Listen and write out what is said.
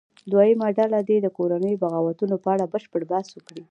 دویمه ډله دې د کورنیو بغاوتونو په اړه بشپړ بحث وکړي.